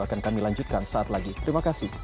akan kami lanjutkan saat lagi terima kasih